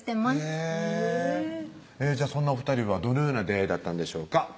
へぇそんなお２人はどのような出会いだったんでしょうか？